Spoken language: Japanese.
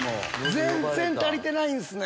全然足りてないんすね。